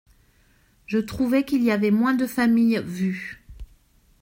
Je trouvais qu’il y avait moins de familles vues.